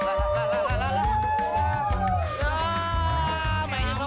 kenapa kau sudah ngomong apa itu